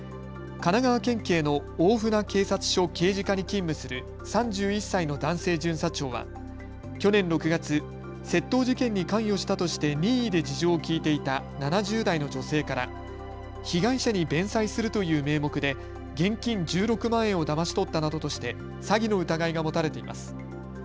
神奈川県警の大船警察署刑事課に勤務する３１歳の男性巡査長は去年６月、窃盗事件に関与したとして任意で事情を聞いていた７０代の女性から被害者に弁済するという名目で現金１６万円をだまし取ったなどとして詐欺の疑いが持たれています。